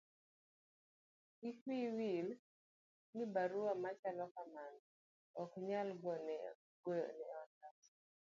kik wiyi wil ni barua machalo kamano ok nyal go e otas